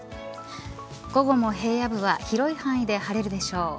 午後も平野部は広い範囲で晴れるでしょう。